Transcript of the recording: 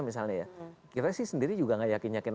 misalnya ya kita sih sendiri juga gak yakin yakin